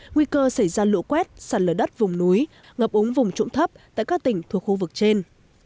nguy cơ xảy ra lũ quét sạt lở đất vùng núi ngập úng vùng trũng thấp tại các tỉnh thuộc khu vực trên